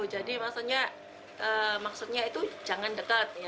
jadi maksudnya itu jangan dekat